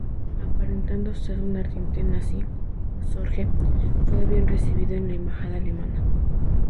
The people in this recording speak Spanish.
Aparentando ser un ardiente nazi, Sorge fue bien recibido en la embajada alemana.